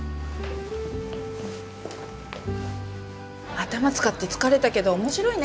頭使って疲れたけど面白いね